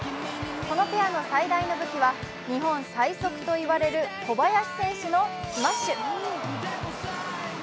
このペアの最大の武器は日本最速と言われる小林選手のスマッシュ。